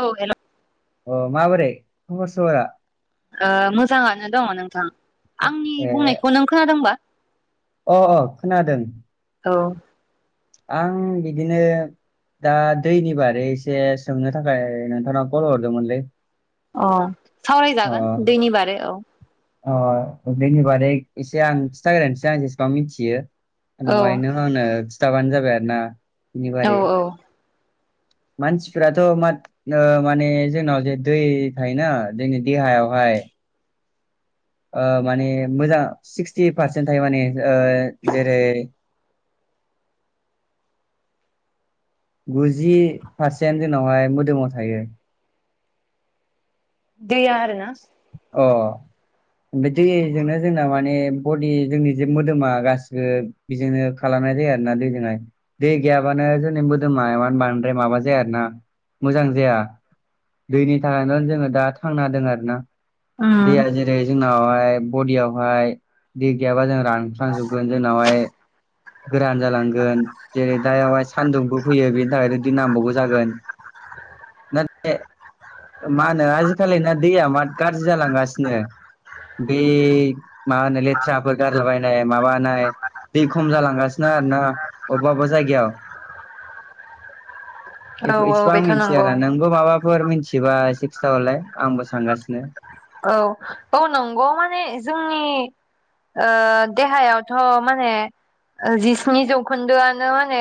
औ हेलौ अ माबोरै खबर सबरा? ओ मोजाङानो दङ नोंथां आंनि ए बुंनायखौ नों खोनादोंबा? अ अ खोनादों। औ आं बिदिनो दा दैनि बारै एसे सोंनो थाखाय नोंथांनाव कल हरदोंमोनलै। औ अ सावरायजागोन दैनि बारै औ अ बेनि बारै एसे आं खिन्थाग्रोसै आं जेसेबां मिथियो। औ उनावहायनो आंनो खिन्थाबानो जाबाय आरो ना बिनि औ बारै औ [inaudible] मानसिफ्राथ' मा माने जोंनाव जे दै थायोना जोंनि देहायावहाय माने मोजां सिक्सटि पारसेन्ट थायो माने जेरै [inaudible] गुजि पारसेन्ट जोंनावहाय मोदोमाव थायो दैया आरो ना अ ओमफ्राय दैजोंनो जोंना माने बडि जोंनि जे मोदोमा गासिबो बेजोंनो खालाम नाय ज आरो ना दैजोंहाय दै गैयाबानो जोंनिमोदोमा बांद्राय माबा जाया आरो ना मोजां जाया दैनि थाखायनो जोङो दा थांना हो द आरोना उम दैया जेरै जोंना जोंनावहाय बडियावहाय दै गैयाबा जों रानख्लांजोबगोन जोंनावहाय गोरान जालांगोन जेरै दा बेवहाय सानदुंबो फैयो बेनि थाखाय बिदि नांबावगौ जागोन ना मानो आजि खालि ना दैया मा गाज्रि जालांगासिनो बे मा होन लेथ्राफोर गारलाबायनाय माबानाय दै खम जालांगासिनो आरो ना अबेबा अबेबा जायगायाव औ औ इसेबां बेथ' नंगौ मिथियाना नोंगौ माबाफोर मिथि बिबा सिक्सथावलाय आंबो सानगासिनो औ औ नंगौ माने जोंनि देहायावथ' माने जिस्नि जौखोन्दोआनो माने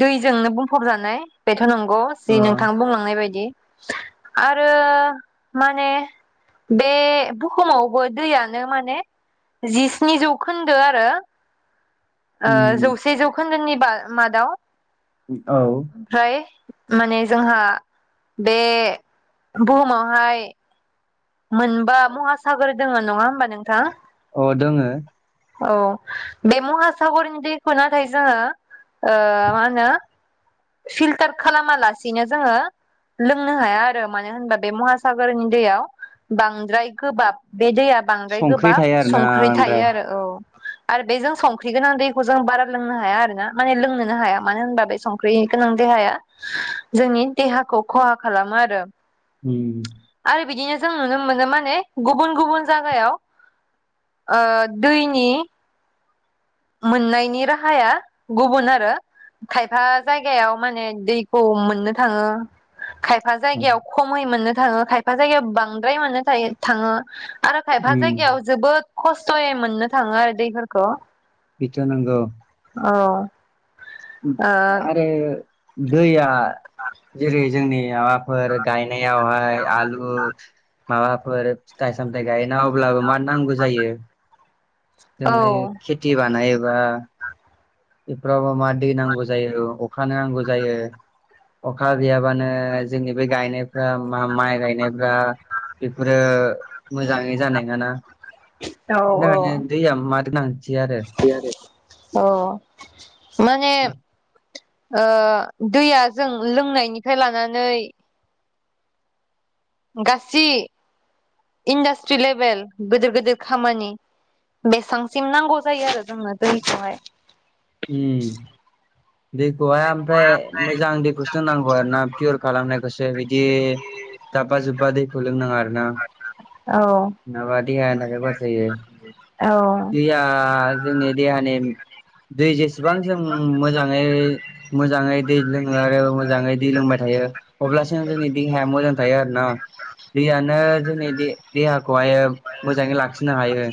दैजोंनो बुंफबजानाय बे नंगौ जि अ नोंथां बुंलांनाय बायदि आरो माने बे बुहुमावबो दैयानो माने जिस्नि जौखोन्दो आरो उम जौसे जौखोन्दोनि बा मादाव औ ओमफ्राय माने जोंहा बे बुहुमावहाय मोनबा महासागर दोङ नङा होमबा नोंथाङा अ दङो औ बे महासागरनि दैखौ नाथाय जोङो ओ मा होनो फिल्टार खालाम मलासिनो जोङो लोंनो हाया आरो मानो होनबा बे महासागरनि दैयाव बांद्राय गोबाब बे दैया बांद्राय संख्रि गोबाब थायो आरोना संख्रि थायो ओमफ्राय आरो औ आरो बे जों संख्रि गोनां दैखौ जों बारा लोंनो हाया आरो ना माने लोंनोनो हाया मानो होनबा बे स ओंख्रि गोनां देहाया जोंनि देहाखौ खहा खालामो आरो उम आरो बिदिनो जों नुनो मोनो माने गुबुन गुबुन जायगायाव ओ दैनि मोननायनि राहाया गुबुन आरो खायफा जायगायाव माने दैखौ मोननो थाङो। खायफा जायगायाव खमै मोननो थाङो खायफा जायगायाव बांद्राय मोननो थायो थाङो। आरो खायफा उम जायगायाव जोबोद खस्थ'यै मोननो थाङो आरो दैफोरखौ। बिथ नांगौ औ आरो दैया जेरै जोंनि माबाफोर गायनायावहाय आलु माबाफोर फिथाइ सामथाय गाय अब्लाबो मा नांगौ जायो जों ओ ऐ खेथि बानायोबा इफ्राबो मार दै नांगौ जायो। अखानो नांगौ जायो अखा गैयाबानो जोंनि बे गायनाय ओ मा माइ माइ गाय [unintelligible] बिदि आरो अ माने ओ दैया गासै इन्डास्ट्रि लेभेल गिदिर गिदिर खामानि बेसेबांसिम नांगौ जायो आरो जोंनो दैखौहाय। ओम दैखौहाय ओमफ्राय मोजां दैखौसो नांगौ आरो ना पियर खालामनायखौसो बिदि जाब्बा जुब्बा दैखौ लोंनाङा आरो ना। औ माबा देहानि थाखाय बार जायो औ दैया जोंनि देहानि दै जेसेबां जों मोजाङै मोजाङै दै लोङो आरो मोजाङै दै लोंबाय थायो अब्लासो जोंनि देहाया मोजां थायो आरो ना दैयानो जोंनि दे देहाखौहाय मोजाङै लाखिनो हायो।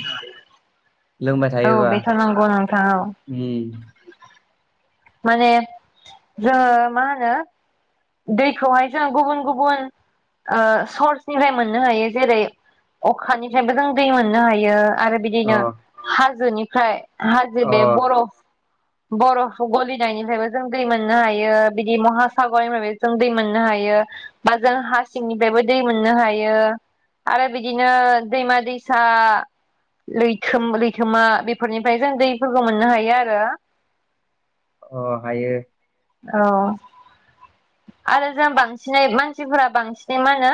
औ बेथ'नंगौानोंथां ओम माने जोङो मा होनो दैखौहाय जों गुबुन गुबुन ओ सर्सनिफ्राय मोननो हायो जेरै अखानिफ्रायबो जों दै मोननो हायो। आरो अ बिदिनो हाजोनिफ्राय हाजो बे अ बरफ बरफ गलिनायनिफ्रायबो जों दै मोननो हायो बिदि महासागरनिफ्राय जों दै मोननो हायो बा जों हासिंनिफ्रायबो दै मोननो हायो। आरो बिदिनो दैमा दैसा लैथो लैथोमा बेफोरनिफ्राय जों दैफोरखौ मोननो हायो आरो अ हायो। औ आरो जों बांसिनै मानसिफोरा बांसिनै मा होनो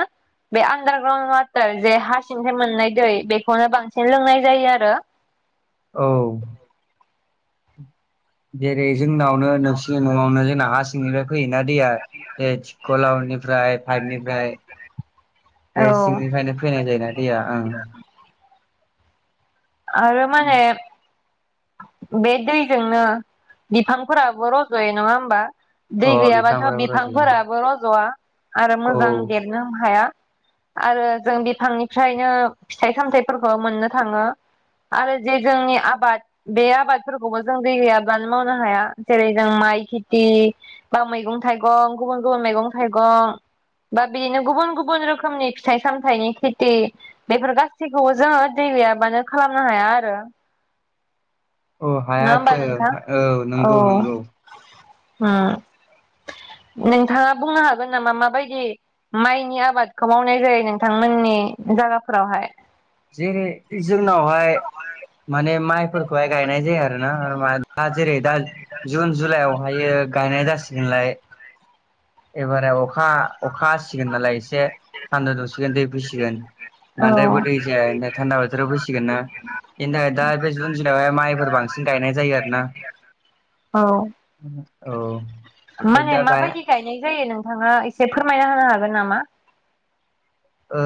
बे आन्दारग्राउन्ड वाटार जे हा सिंथाय मोननाय दै बेखौनो बांसिन लोंनाय जायो आरो। औ जेरै जोंनावनो नोंसिनि न'आवनो जोंना हा सिंनिफ्राय फैयोना दैया थि [unintelligible] फ्राय पाइपनिफ्राय बे सिंनिफ्रायनो फैनाय जायोना दैया ओं। आरो माने बे दैजोंनो बिफांफोराबो रज'यो नङा होमबा? दै अ गैयाबाथ' बिफांफोराबो रज'यो बिफांफोराबो रजया आरो मोजां औ देरनो हाया। आरो जों बिफांनिफ्रायनो फिथाइ सामथायाइफोरखौ मोननो थाङो। [inaudible] आरो जे जोंनि आबाद बे आबादफोरखौबो जों दै गैयाब्लानो मावनो हाया जेरै जों माइ खेथि बा मैगं थाइगं गुबुन गुबुन मैगं थाइगं बा बिदिनो गुबुन गुबुन रोखोमनि फिथाइ सामथाइनि खेथि बेफोर गासैखौबो जोङो दै गैयाबानो खालामनो हाया आरो अ नङा हायाथ होमबा नोंथां औ नंगौ नंगौ होम [unintelligible] नोंथाङा बुंनो हागोन नामा माबायदि माइनि आबादखौ मावनाय जायो नोंथांमोननि जायगाफोरावहाय जेरै जोंनावहाय माने माइ फोरखौहाय गायनाय जाया आरोना दा जेरै दा जुन जुलाइयावहायो गायनाय जासिगोन [unintelligible] एबारे अखा अखा हासिगोन नालाय एसे थान्दा दौसिगोन दै फैसिगोन औ बांद्रायबो दै जाया थान्दा बाथोराव फैसिगोन ना [inaudible] बेनि थाखाय दा बे जुन जुलायावहाय माइफोर बांसिन गायनाय जायो आरो ना औ औ ओमफ्राय माने दा गाय माबायदि गायनाय जायो नोंथां नोङो एसे फोरमायना होनो हागोन नामा? ओ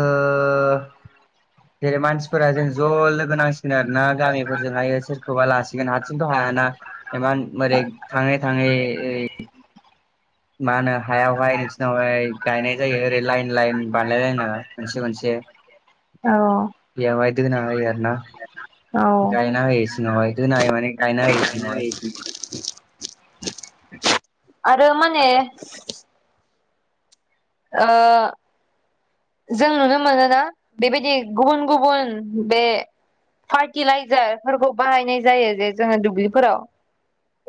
जेरै मानसिफोरा जों ज' लोगो नांसिगोन आरो ना गामिफोरजोंहाय सोरखौबा लासिगोन हारसिं हाया ना इमान [inaudible] थाङै थाङै [inaudible] मा होनो हायावहाय नोंसिनावहाय गायनाय जायो ओरै लाइन लाइन बानायलायलायनो मोनसे मोनसे औ बेयावहाय दोना होयो आरो ना औ गायना होयो सिङावहाय दोना होयो माने गायना होयो [inaudible] ओय [inaudible] आरो माने ओ जों नुनो मोनोना बेबायदि गुबुन गुबुन बे पार्टीलाइजारफोरखौ बाहायनाय जायो जे जोङो दुब्लिफोराव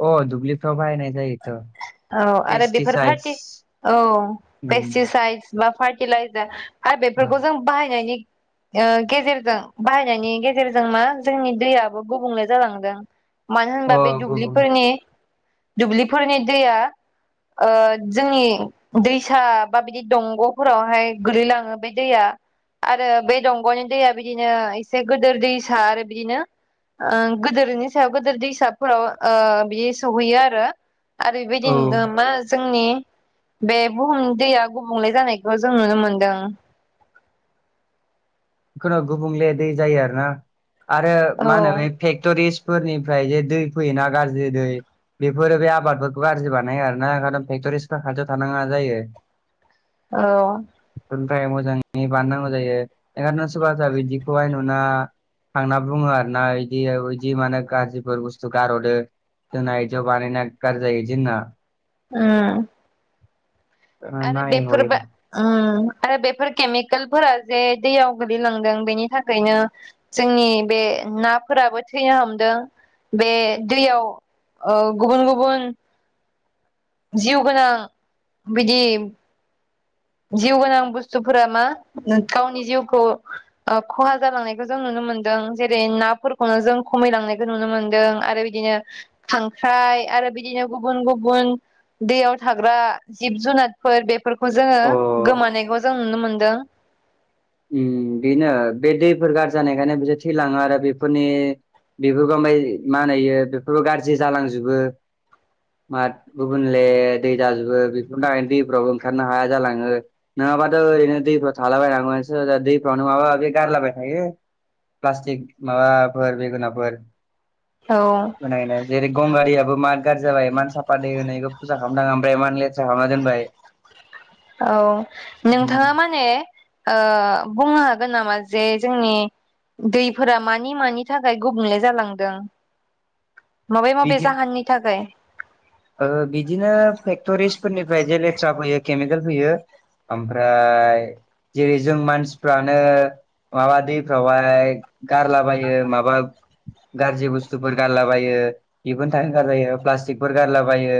अ दुब्लिफ्राव बाहायनाय जायोथ' औ आरो बेफोर पेस्टिसाइदस फार्टी औ पेस्टिसाइदस बा फार्टीलाइजार आरो बेफोरखौ जों बाहायनायनि ओ गेजेरजों बाहायनायनि गेजेरजों मा जोंनि दैयाबो गुबुंले जालाङोदा मानो होनबा अ बे गुबुन दुब्लिफोरनि दुब्लिफोरनि दैया ओ जोंनि दैसा बा बिदि दंग'फोरावहाय गोलैलाङो बे दैया आरो बे दंग'नि दैया बिदिनो एसे गिदिर दैसा आरो बिदिनो ओ गोदोरनि सायाव गोदोर दैसाफोराव ओ बियो सहैयो आरो आरो औ बेबायदिनो मा जोंनि बे बुहुमनि दैया गुबुंले जानायखौ जों नुनो मोनदों। खुनु गुबुंले दै जायो आरो ना आरो औ मा होनो बे फेक्टरिस फोरनिफ्राय जे दै फैयोना गाज्रि दै बेफोरो बे आबादफोरखौ गाज्रि बानायो आरोना ए फेक्ट'रिसफ्रा खाथियाव थानाङा जायो औ बेनिफ्राय मोजाङै बाननांगौ जायो ओंखायनोथ' सोरबा सा बिदिखौहाय नुना थांना बुङो आरोना इदि इदि मानो गाज्रिफोर बुस्थु गारहदो दोना ज' बानायनानै गारजायो आदि होनना [inaudible] उम आरो नायै हयै बेफोरबो उम आरो बेफोर केमिकेलफोरा जे दैयाव गोल्लैलांदों बेनि थाखायनो जोंनि बे नाफोराबो थैनो हमदों बे दैयाव ओ गुबुन गुबुन जिउ गोनां बिदि जिउ गोनां बुस्थुफोरा मा गावनि जिउखौ खहा जालांनायखौ जों नुनो मो मोनदों जेरै नाफोरखौनो जों खमायलांनायखौ नुनो मोनदों आरो बिदिनो खांख्राइ आरो बिदिनो गुबुन गुबुन दैयाव थाग्रा जिब जुनारफोर बेफोरखौ जोङो अ गोमानायखौ जों नुनो मोनदों ओ बेनो बे दैफोर गाज्रि जानायखायनो बिसोर थैलाङो आरो बेफोरनि बेफोरखौ ओमफ्राय मा होनो इयो बेफोरबो गाज्रि जालांजोबो मा गुबुनले दै जाजोबो बेफोरनि थाखाय दैफोरावबो ओंखारनो हाया जालाङो नङाबाथ' ओरैनो दैफोराव थालाबायनांगोमोन दैफोरावनो माबा माबि गारलाबाय थायो प्लास्टिक माबाफोर बेगोनाफोर औ होनायनो जेरै गंगारियाबो मार गाज्रि जाबाय एमान साफा दै होनो खौ फुजा खालामनाङा ओमफ्राय इमान लेथ्रा खालामना दोनबाय औ उम, नोंथाङा माने ओ बुंनो हागोन नामा जे जोंनि दैफोरा मानि मानि थाखाय गुबुंले जालांदों माबे माबे बिदि जाहोननि थाखाय ओ बिदिनो फेक्टरिसफोरनिफ्राय जेलेथ्रा फैयो केमिकेल फैयो ओमफ्राय जेरै जों मानसिफ्रानो माबा दैफ्रावहाय गारलाबायो माबा गाज्रि बुस्थुफोर गारलाबायो बेफोरनो थाखाय गाज्रि जायो प्लास्टिकफोर गारलाबायो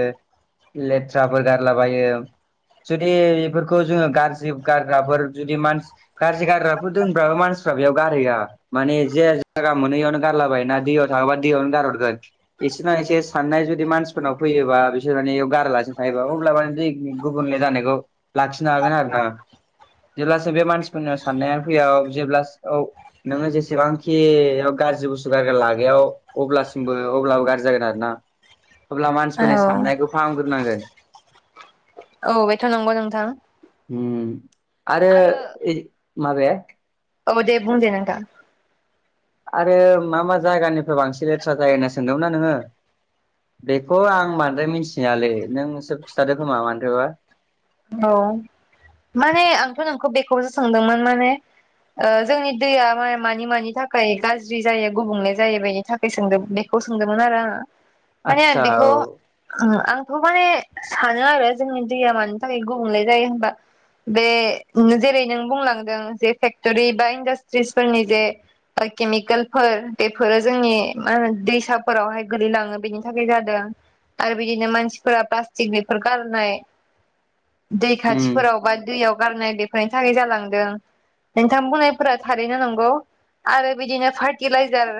लेथ्राफोर गारलाबायो जुदि बेफोरखौ जोङो गाज्रि गारग्राफोर जुदि मानसि गाज्रि गारग्राफोर दोनब्लाबो मानसि फ्रा बेयाव गारहैया माने जे जायगा मोनो इयावनो गारलाबाय ना दैयाव थाङोबा दैयावनो गारहरगोन एसेना एसे साननाय जुदि मानसि नाव फैयोबा बिसोर मानेयाव गारालासिनो थायोबा अब्ला माने दै गुबुनले जानायखौ लाखिनो हागोन आरो ना जेब्लासो बे मानसिफोरनि साननाया फैया जेब्ला औ नोङो जेसेबांखि गाज्रि बुस्थु गारग्रा लागायाव अब्लासिमबो अब्लाबो गाज्रि जागोन आरो ना अब्ला औ मानसिफोरनि साननायखौ फाहामग्रोनांगोन औ बेथ' नंगौ नोंथां उम आरो माबाया औ दे बुं दे नोंथां आरो मा मा जायगानिफ्राय बांसिन लेथ्रा जायो होनना सोंदोंमोन ना नोङो बेखौ आं बद्राय मिथिनायालै नोंसोर खिथादो खोमा बांद्रायबा औ माने आंथ' नोंखौ बेखौसो सोंदोंमोन माने जोंनि दैया मानि मानि थाखाय गाज्रि जायो गुबुंले जायो बेनि थाखाय सोंदों बेखौ सोंदोंमोन आरो आंहा माने आं आदसा बेखौ औ आंथ' माने सानो आरो जोंनि दैया मानो थाखाय गुबुंले जायो होनबा बे नोङो जेरै नों बुंलांदों जे फेक्ट'रि बा इन्डास्ट्रिसफोरनि जे केमिकेलफोर बेफोरो जोंनि मा होनो दैसाफोरावहाय गोलैलाङो बेनि थाखाय जादों आरो बिदिनो मानसिफोरा प्लास्टिक बेफोर गारनाय दै उम खाथिफोराव बा दैयाव गारनाय बेफोरनि थाखाय जालांदों नोंथां बुंनायफोरा थारैनो नंगौ आरो बिदिनो फार्टिलाइजार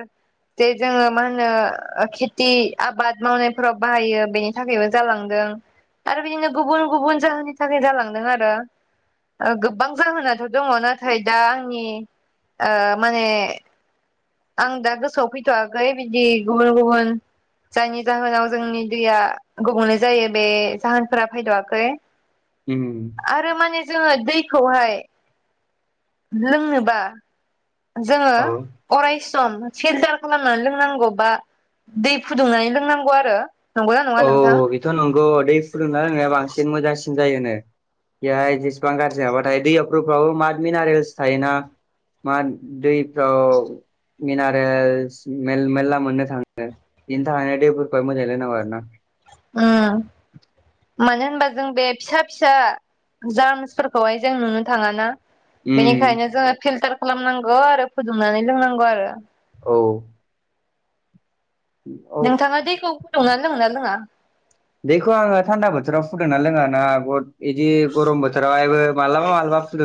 जे जोङो मा होनो खेथि आबाद मावनायफोराव बाहायो बेनि थाखायबो जालांदों आरो बिदिनो गुबुन गुबुन जाहोननि थाखाय जालांदों आरो गोबां जाहोनाथ' दङ नाथाय दा आंनि ओ माने आं दा गोसोआव फैथ'वाखै बिदि गुबुन गुबुन जायनि जाहोनाव जोंनि दैया गुबुंलै जायो बे जाहोनफोरा फैथ'आखै उम आरो माने जोङो दैखौहाय लोंनोबा जोङो औ अराय सम फिलटार खालामनानै लोंनांगौ बा दै फुदुंनानै लोंनांगौ आरो नंगौना नङा औ नोंथां औ बेथ' नंगौ दै फुदुंना लोंनाया बांसिन मोजांसिन जायो होनो बेहाय जेसेबां गाज्रि माबाथायायो दैयाव गोबां माथ मिनारेल्स थायो ना मा दैफ्राव मिनारेल मेरला मोननो थाङो बिनि थाखायनो दैफोरखौ मोजाङै लोंनांगौ आरो ना उ माने मानो होनबा जों बे फिसा फिसा जार्मसफोरखौहाय जों नुनो थाङा ना उम बेनिखायनो जोङो फिलटार खालामनांगौ आरो फुदुंनानै लोंनांगौ आरो औ औ नोंथाङा दैखौ फुदुंना लोंना लोङा बेखौ आङो थान्दा बोथोराव फुदुुंना लोङा ना बहुत बेदि गरम बोथोरावायबो माब्लाबा माब्लाबा फुदुंना